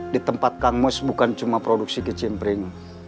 di tempat kang mus bukan cuma produksi kecimpring